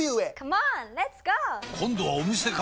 今度はお店か！